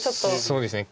そうですね。